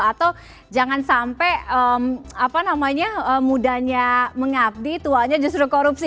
atau jangan sampai mudanya mengabdi tuanya justru korupsi